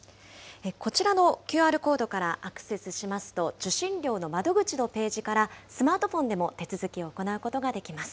こちらのＱＲコードからアクセスしますと、受信料の窓口のページからスマートフォンでも手続きを行うことができます。